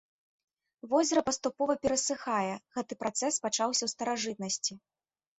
Возера паступова перасыхае, гэты працэс пачаўся ў старажытнасці.